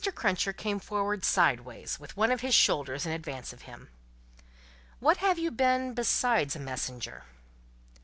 Cruncher came forward sideways, with one of his shoulders in advance of him. "What have you been, besides a messenger?"